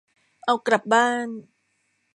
เอากลับบ้าน